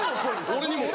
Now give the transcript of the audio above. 俺にも。